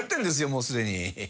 もうすでに。